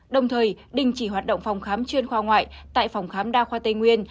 đồng thời đình chỉ hoạt động phòng khám chuyên khoa ngoại tại phòng khám đa khoa tây nguyên